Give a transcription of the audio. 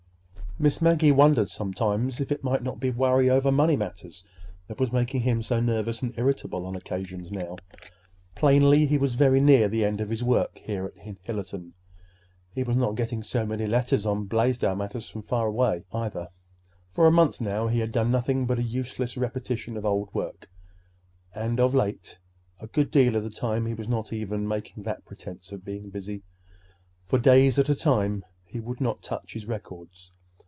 Miss Maggie wondered sometimes if it might not be worry over money matters that was making him so nervous and irritable on occasions now. Plainly he was very near the end of his work there in Hillerton. He was not getting so many letters on Blaisdell matters from away, either. For a month now he had done nothing but a useless repetition of old work; and of late, a good deal of the time, he was not even making that pretense of being busy. For days at a time he would not touch his records.